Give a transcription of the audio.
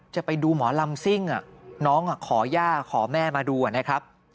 จะไปดูหมอลำซิ่งน้องขอย่าขอแม่มาดูนะครับ